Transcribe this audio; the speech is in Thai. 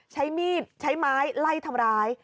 ใช้มีดใช้ไม้ไล่ทำร้าย